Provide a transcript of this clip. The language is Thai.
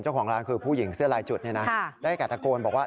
เจ้าของร้านคือผู้หญิงเสื้อลายจุดเนี่ยนะได้แก่ตะโกนบอกว่า